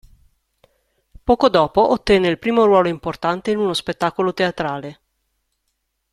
Poco dopo ottenne il primo ruolo importante in uno spettacolo teatrale.